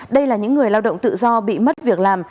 đây là những người lao động tự do bị mất việc làm